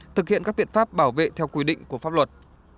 thực hiện các biện pháp bảo vệ theo quy định của pháp luật